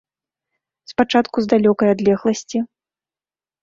Спачатку з далёкай адлегласці.